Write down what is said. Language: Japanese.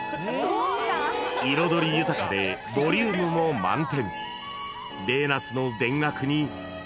［彩り豊かでボリュームも満点］